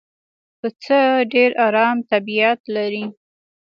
پسه ډېر آرام طبیعت لري.